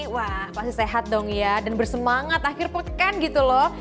wah pasti sehat dong ya dan bersemangat akhir pekan gitu loh